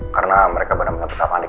karena mereka benar benar bersahabat